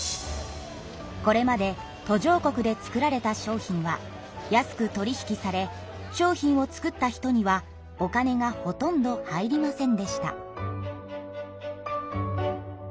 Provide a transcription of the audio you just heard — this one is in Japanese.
これまで途上国で作られた商品は安く取り引きされ商品を作った人にはお金がほとんど入りませんでした。